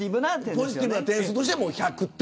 ポジティブな点数として１００点。